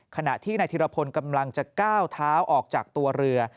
ขณะที่นายธิรพลกำลังจะก้าวเท้าออกจากตัวเรือ